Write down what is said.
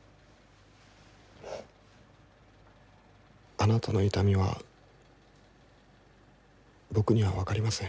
あなたの痛みは僕には分かりません。